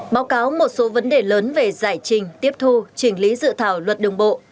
báo cáo một số vấn đề lớn về giải trình tiếp thu chỉnh lý dự thảo luật đường bộ